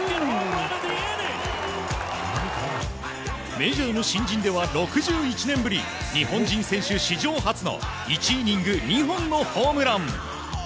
メジャーの新人では６１年ぶり日本人選手史上初の１イニング２本のホームラン。